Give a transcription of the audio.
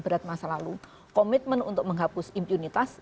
berat masa lalu komitmen untuk menghapus impunitas